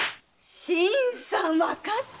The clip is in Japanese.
新さんわかった！